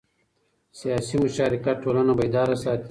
سیاسي مشارکت ټولنه بیداره ساتي